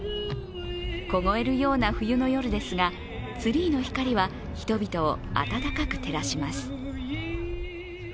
凍えるような冬の夜ですが、ツリーの光は人々を温かく照らします。